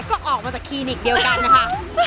ก็ออกมาจากคลินิกเดียวกันนะคะ